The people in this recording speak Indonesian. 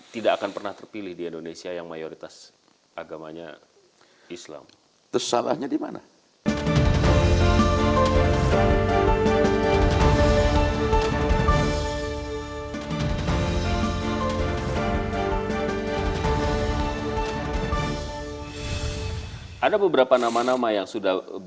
tidak akan pernah terpilih di indonesia yang mayoritas agamanya islam